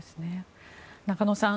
中野さん